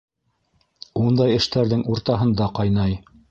Ундай эштәрҙең уртаһында ҡайнай.